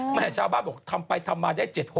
แม่ชาวบ้านบอกทำไปทำมาได้๗๖